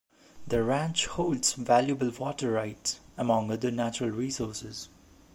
The ranch holds valuable water rights, among other natural resources.